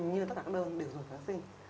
như tất cả các đơn đều dùng kháng sinh